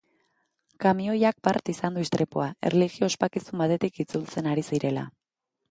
Kamioiak bart izan du istripua, erlijio-ospakizun batetik itzultzen ari zirela.